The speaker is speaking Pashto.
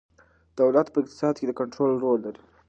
دولت په اقتصاد کې د کنترول رول لري.